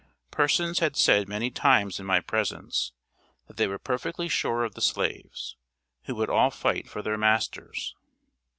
Persons had said many times in my presence that they were perfectly sure of the slaves who would all fight for their masters.